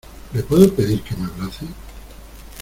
¿ le puedo pedir que me abrace?